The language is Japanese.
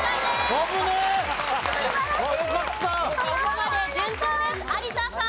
ここまで順調です。